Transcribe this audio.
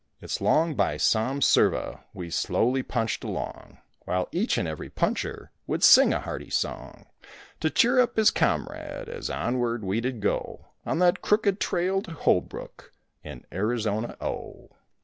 It's long by Sombserva we slowly punched along, While each and every puncher would sing a hearty song To cheer up his comrade as onward we did go, On that crooked trail to Holbrook, in Arizona oh.